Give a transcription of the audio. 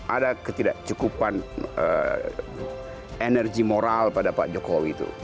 ada ketidakcukupan energi moral pada pak jokowi itu